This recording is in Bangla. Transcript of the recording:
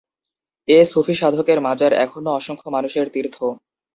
এ সুফি সাধকের মাজার এখনো অসংখ্য মানুষের তীর্থ।